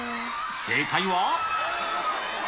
正解は。